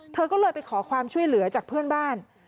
เธอก็เลยไปขอความช่วยเหลือจากเพื่อนบ้าน